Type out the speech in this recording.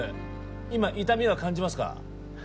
今痛みは感じますか？